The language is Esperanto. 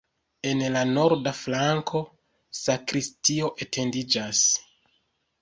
En la norda flanko sakristio etendiĝas.